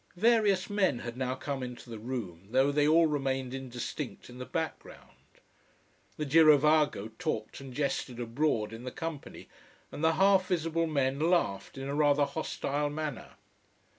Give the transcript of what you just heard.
Various men had now come into the room, though they all remained indistinct in the background. The girovago talked and jested abroad in the company, and the half visible men laughed in a rather hostile manner.